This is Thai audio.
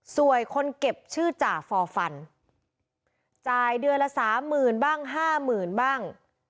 ส่วนคนเก็บชื่อจ่าฟอร์ฟันจ่ายเดือนละสามหมื่นบ้างห้าหมื่นบ้าง